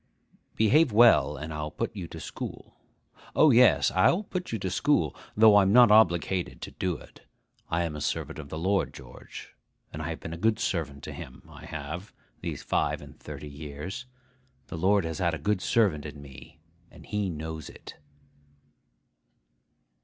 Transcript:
Behave well, and I'll put you to school; O, yes! I'll put you to school, though I'm not obligated to do it. I am a servant of the Lord, George; and I have been a good servant to him, I have, these five and thirty years. The Lord has had a good servant in me, and he knows it.